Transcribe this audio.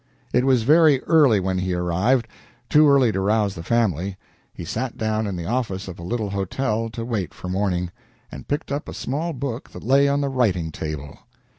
It was very early when he arrived, too early to rouse the family. He sat down in the office of a little hotel to wait for morning, and picked up a small book that lay on the writing table.